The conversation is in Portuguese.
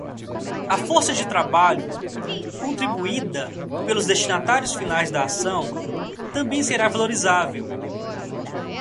A força de trabalho contribuída pelos destinatários finais da ação também será valorizável.